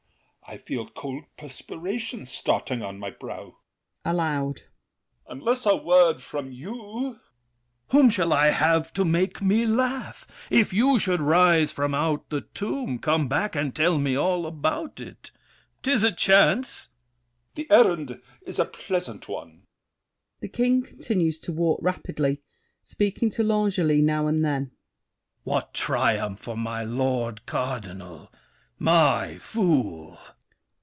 I feel cold perspiration Starting upon my brow. [Aloud.] Unless a word From you— THE KING. Whom shall I have to make me laugh? If you should rise from out the tomb, come back And tell me all about it. 'Tis a chance! L'ANGELY. The errand is a pleasant one! [The King continues to walk rapidly, speaking to L'Angely now and then. THE KING. What triumph For my lord cardinal—my fool!